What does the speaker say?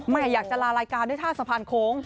อยากจะลารายการด้วยท่าสะพานโค้ง